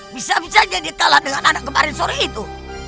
bisa bisanya dia kalah dengan anak kemarin sore itu